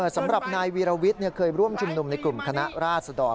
สำหรับนายวีรวิทย์เคยร่วมชุมนุมในกลุ่มคณะราชดร